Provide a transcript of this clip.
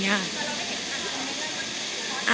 แต่เราไม่เห็นความคิดของเขามันก็คือความคิดของเขา